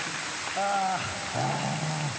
ああ。